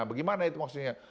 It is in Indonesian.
bagaimana itu maksudnya